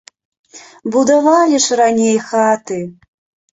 Будавалі ж раней хаты!